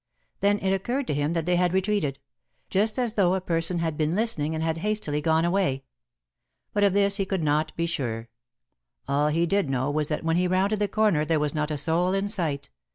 Then it occurred to him that they had retreated just as though a person had been listening and had hastily gone away. But of this he could not be sure. All he did know was that when he rounded the corner there was not a soul in sight.